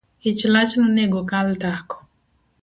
Ich lach nonego okal tako